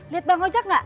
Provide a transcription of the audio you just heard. lihat bang ojak gak